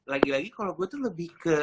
lagi lagi kalau gue tuh lebih ke